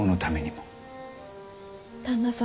旦那様